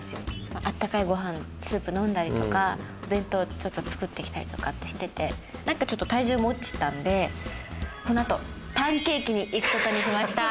あったかいご飯、スープ飲んだりとか、お弁当作ってきたりとかしてて体重も落ちたので、この後パンケーキに行くことにしました。